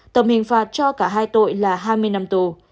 tầm hình phạt cho cả hai tội là hai mươi năm tù